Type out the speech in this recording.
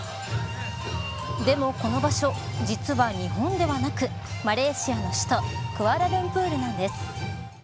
でも、この場所実は日本ではなくマレーシアの首都クアラルンプールなんです。